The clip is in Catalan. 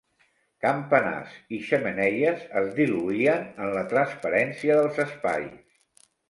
Campanars i xemeneies es diluïen en la transparència dels espais.